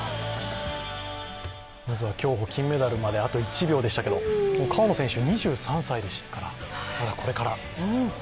まずは競歩金メダルまであと１秒でしたけれども、川野選手２３歳ですから、まだこれから。